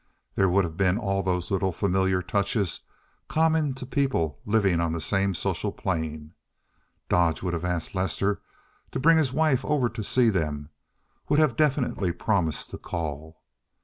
There would have been all those little familiar touches common to people living on the same social plane. Dodge would have asked Lester to bring his wife over to see them, would have definitely promised to call.